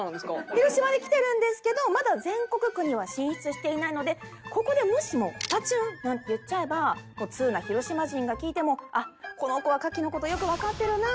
広島できてるんですけどまだ全国区には進出していないのでここでもしも「パチュン」なんて言っちゃえば通な広島人が聞いても「あっこの子は牡蠣の事よくわかってるな！」